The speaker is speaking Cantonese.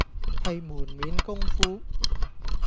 係門面功夫